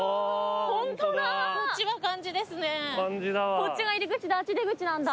こっちが入り口であっち出口なんだ。